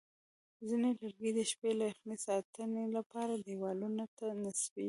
ځینې لرګي د شپې له یخنۍ ساتنې لپاره دیوالونو ته نصبېږي.